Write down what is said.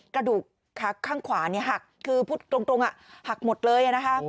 กระดูกขาข้างขวาหักคือพูดตรงหักหมดเลยนะคะ